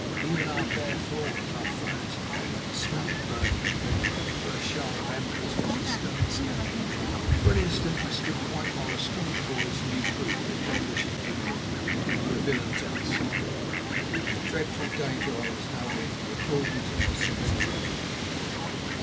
Even our bare floor and rough furniture gave out a smell of burning at the first shower of embers which the first stone scattered. For an instant I stood quite horror struck before this new proof of the devilish ingenuity of the villains outside. But the dreadful danger I was now in recalled me to my senses immediately.